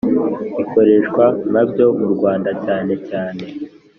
ikoreshwa nka byo mu Rwanda cyane cyane